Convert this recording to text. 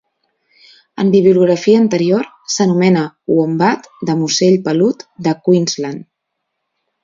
En bibliografia anterior, s'anomena uombat de musell pelut de Queensland.